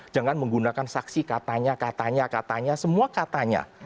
jangan menggunakan saksi katanya katanya semua katanya